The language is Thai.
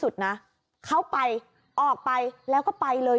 ชนก็ให้ครับ